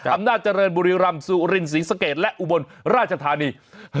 อำนาจเจริญบุรีรำสุรินศรีสะเกดและอุบลราชธานี